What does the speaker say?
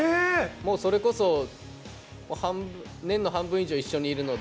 もうそれこそ、年の半分以上一緒にいるので。